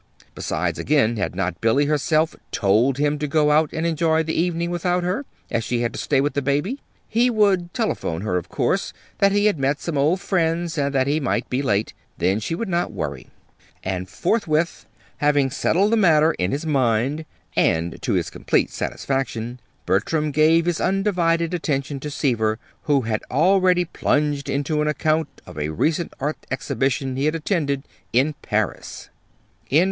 Besides, again, had not Billy herself told him to go out and enjoy the evening without her, as she had to stay with the baby? He would telephone her, of course, that he had met some old friends, and that he might be late; then she would not worry. And forthwith, having settled the matter in his mind, and to his complete satisfaction, Bertram gave his undivided attention to Seaver, who had already plunged into an account of a recent Art Exhibition he had attended in Paris. CHAPTER XXVI.